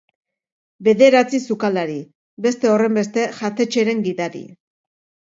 Bederatzi sukaldari, beste horrenbeste jatetxeren gidari.